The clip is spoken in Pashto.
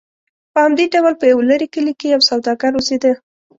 په همدې ډول په یو لرې کلي کې یو سوداګر اوسېده.